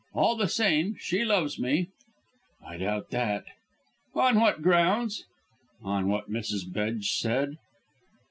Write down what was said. All the same, she loves me." "I doubt that." "On what grounds?" "On what Mrs. Bedge said."